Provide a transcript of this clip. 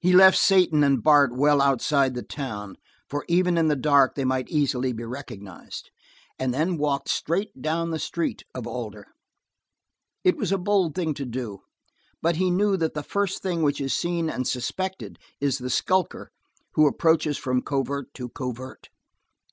He left Satan and Bart well outside the town, for even in the dark they might easily be recognized, and then walked straight down the street of Alder. It was a bold thing to do, but he knew that the first thing which is seen and suspected is the skulker who approaches from covert to covert.